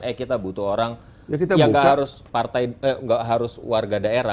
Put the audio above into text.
eh kita butuh orang yang tidak harus warga daerah